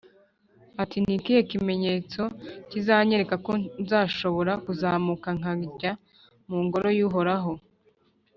ati «Ni ikihe kimenyetso kizanyemeza ko nzashobora kuzamuka nkajya mu Ngoro y’Uhoraho ?